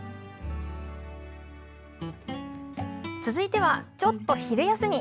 続いては、ちょっと昼休み。